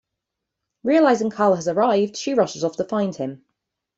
Realizing Carl has arrived, she rushes off to find him.